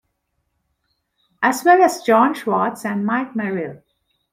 As well as John Schwartz, and Mike Merrill.